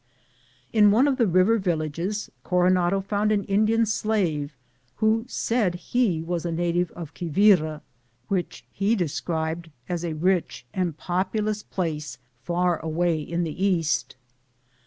In one of the river villages Coronado found an Indian slave who said he was a native of Quivira, which he described as a rich, and populous place far away in the east.